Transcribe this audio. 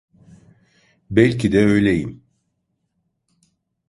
Belki de öyleyim.